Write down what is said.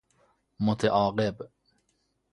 متعاقب